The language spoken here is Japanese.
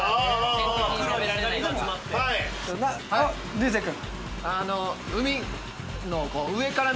流星君。